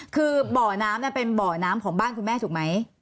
คือบ่อน้ำเป็นบ่อน้ำของบ้านคุณแม่ถูกไหม